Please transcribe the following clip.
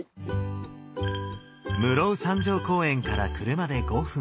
室生山上公園から車で５分